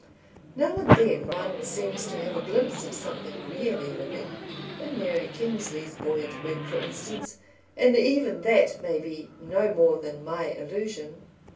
Now and then one seems to have a glimpse of something really living in Mary Kingsley's buoyant work, for instance and even that may be no more than my illusion.